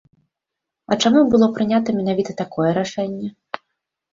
А чаму было прынята менавіта такое рашэнне?